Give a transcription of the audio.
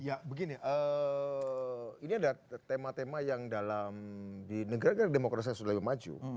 ya begini ini ada tema tema yang dalam di negara negara demokrasi yang sudah lebih maju